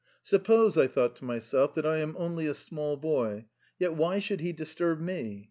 "Suppose," I thought to myself, "that I am only a small boy, yet why should he disturb me?